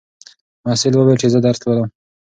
محصل وویل چې زه درس لولم.